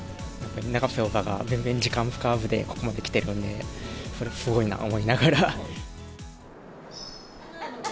永瀬王座が全然時間使わずで、ここまで来てるんで、それ、すごいなと思いながら。